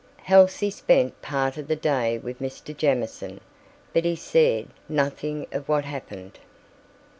Halsey spent part of the day with Mr. Jamieson, but he said nothing of what happened.